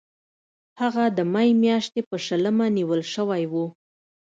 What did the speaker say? هغه د می میاشتې په شلمه نیول شوی و.